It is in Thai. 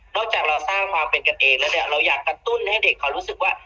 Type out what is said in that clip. จากเราสร้างความเป็นกันเองแล้วเนี่ยเราอยากกระตุ้นให้เด็กเขารู้สึกว่า